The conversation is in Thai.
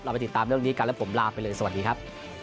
ไปติดตามเรื่องนี้กันแล้วผมลาไปเลยสวัสดีครับ